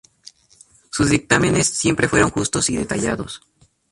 Sus dictámenes siempre fueron justos y detallados.